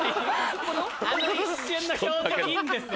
あの一瞬の表情いいんですよ。